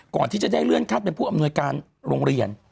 ก่อนที่จะได้เลื่อนขั้นเป็นผู้อำนวยการโรงเรียน